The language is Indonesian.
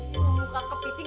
iu muka kepiting